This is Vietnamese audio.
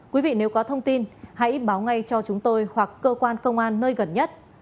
quý vị nếu có thông tin hãy báo ngay cho chúng tôi hoặc cơ quan công an nơi gần nhất